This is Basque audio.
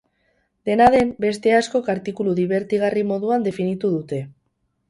Dena den, beste askok artikulu dibertigarri moduan definitu dute.